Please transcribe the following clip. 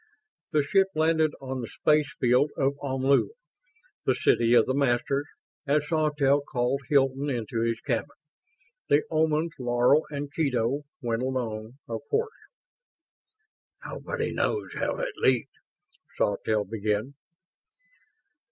The ship landed on the spacefield of Omlu, the City of the Masters, and Sawtelle called Hilton into his cabin. The Omans Laro and Kedo went along, of course. "Nobody knows how it leaked ..." Sawtelle began.